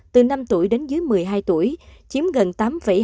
từ năm tuổi đến dưới một mươi hai tuổi chiếm gần tám hai triệu